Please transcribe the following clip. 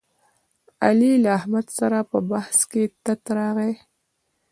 علي له احمد سره په بحث کې تت راغلی.